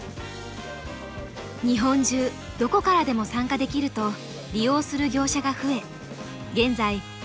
日本中どこからでも参加できると利用する業者が増え現在